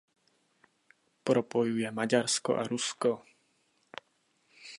Propojuje Maďarsko a Rusko.